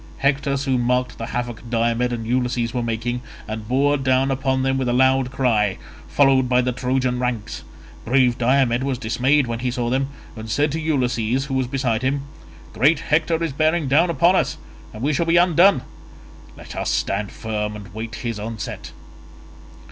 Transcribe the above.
Hector soon marked the havoc Diomed and Ulysses were making, and bore down upon them with a loud cry, followed by the Trojan ranks; brave Diomed was dismayed when he saw them, and said to Ulysses who was beside him, "Great Hector is bearing down upon us and we shall be undone; let us stand firm and wait his onset."